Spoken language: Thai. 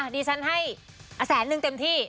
ดีฉันให้๑แสนเต็มที่